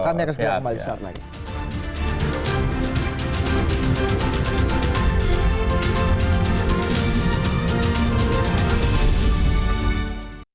kami akan ke sekitar kembali saat nanti